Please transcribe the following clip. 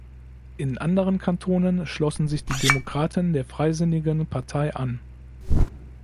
In anderen Kantonen schlossen sich die Demokraten der Freisinnigen Partei an.